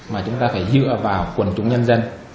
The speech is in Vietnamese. mà chúng ta phải dựa vào quần chúng nhân dân